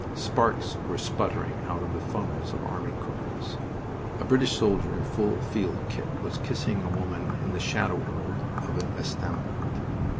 Sparks were spluttering out of the funnels of army cookers. A British soldier in full field kit was kissing a woman in the shadow world of an estaminet.